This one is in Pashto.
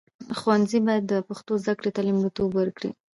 ښوونځي باید د پښتو زده کړې ته لومړیتوب ورکړي.